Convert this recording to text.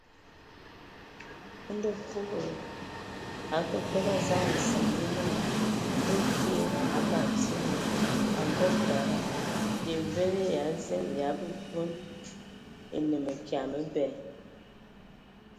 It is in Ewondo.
Ndo Kulu a akǝ təbǝ a zaŋ nsəŋ, nye naa: Ekye A Batsidi, a Mvog tad, yə mvende Ya zen ya a Bekon e no mǝkya məbɛ?